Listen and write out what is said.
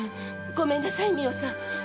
ごめんなさい澪さん。